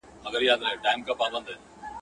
د هلک موري سرلوړي په جنت کي دي ځای غواړم!